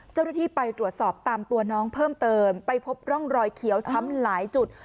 เจ้าหน้าที่ไปตรวจสอบตามตัวน้องเพิ่มเติมไปพบร่องรอยเขียวช้ำหลายจุด